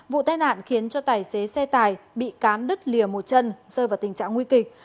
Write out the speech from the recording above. vụ tai nạn khiến cho tài xế xe tài bị cán đứt lìa một chân rơi vào tình trạng nguy kịch